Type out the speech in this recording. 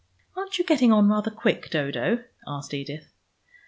"Aren't you getting on rather quick, Dodo?" asked Edith.